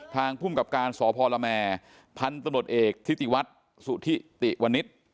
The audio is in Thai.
ทางพุ่มกับการสพละแมร์พันธนตรวจเอกทิศีวัฒน์สุธิติวณิษฎ์